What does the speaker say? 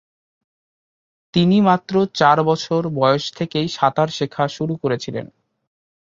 তিনি মাত্র চার বছর বয়স থেকেই সাঁতার শেখা শুরু করেছিলেন।